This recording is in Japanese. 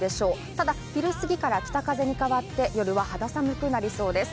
ただ昼過ぎから北風に変わって夜は肌寒くなりそうです。